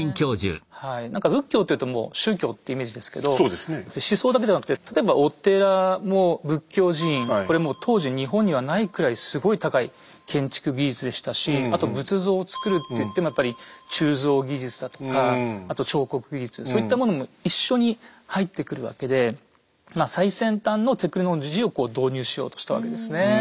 何か仏教っていうともう宗教ってイメージですけど思想だけではなくて例えばお寺も仏教寺院これもう当時日本にはないくらいすごい高い建築技術でしたしあと仏像をつくるっていってもやっぱり鋳造技術だとかあと彫刻技術そういったものも一緒に入ってくるわけでまあ最先端のテクノロジーを導入しようとしたわけですね。